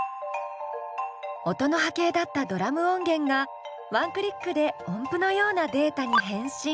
音の波形だったドラム音源がワンクリックで音符のようなデータに変身。